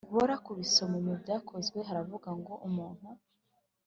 bora kubisoma mu Byakozwe Haravuga ngo umuntu